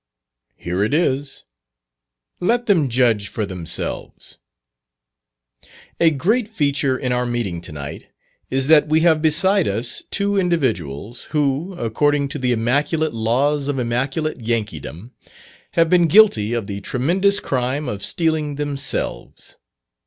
Here it is, let them judge for themselves: "A great feature in our meeting to night, is that we have beside us two individuals, who, according to the immaculate laws of immaculate Yankeedom, have been guilty of the tremendous crime of stealing themselves.